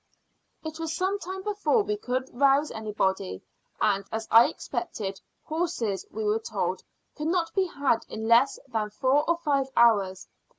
It was some time before we could rouse anybody; and, as I expected, horses, we were told, could not be had in less than four or five hours.